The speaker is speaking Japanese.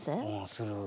する。